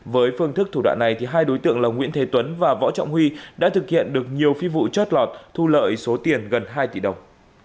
với phương thức thủ đoạn này hai đối tượng là nguyễn thế tuấn và võ trọng huy đã thực hiện được nhiều phi vụ chót lọt thu lợi số tiền gần hai tỷ đồng